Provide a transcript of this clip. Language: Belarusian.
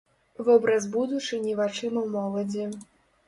Вобраз будучыні вачыма моладзі.